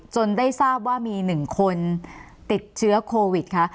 ได้ทราบว่ามี๑คนติดเชื้อโควิดค่ะ